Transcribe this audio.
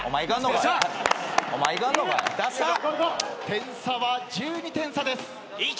点差は１２点差です。